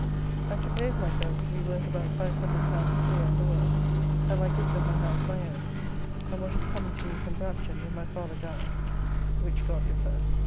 I suppose myself to be worth about L500 clear in the world, and my goods of my house my own, and what is coming to me from Brampton, when my father dies, which God defer.